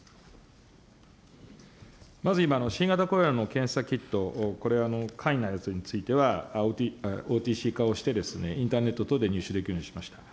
まず今の新型コロナの検査キット、これ、簡易なやつについては、ＯＴＣ化をして、インターネット等で入手できるようにしました。